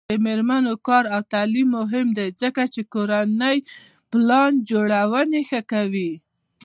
د میرمنو کار او تعلیم مهم دی ځکه چې کورنۍ پلان جوړونې ښه کوي.